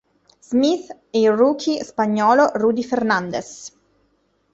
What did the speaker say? Smith e il rookie spagnolo Rudy Fernández.